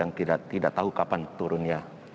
yang tidak tahu kapan turunnya